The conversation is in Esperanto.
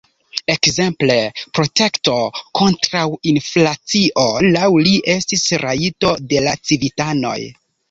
Ekzemple, protekto kontraŭ inflacio laŭ li estis rajto de la civitanoj.